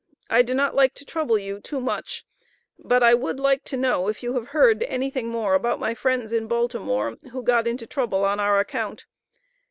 I do not like to trouble you too much, but I would like to know if you have heard anything more about my friends in Baltimore who got into trouble on our account.